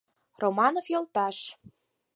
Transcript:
— Романов йолташ.